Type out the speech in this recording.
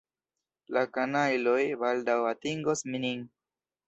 La kanajloj baldaŭ atingos nin.